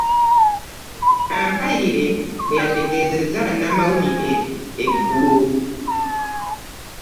Ampaire bwe yategeezezza bannamawulire eggulo